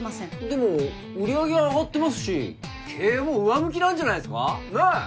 でも売り上げは上がってますし経営は上向きなんじゃないっすかなあ？